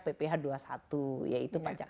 pph dua puluh satu yaitu pajak